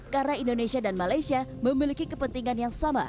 karena indonesia dan malaysia memiliki kepentingan yang sama